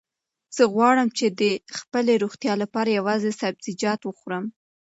زه غواړم چې د خپلې روغتیا لپاره یوازې سبزیجات وخورم.